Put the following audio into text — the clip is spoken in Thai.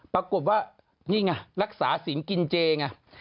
ปรากฏว่านี่ไงรักษาสินกินเจไง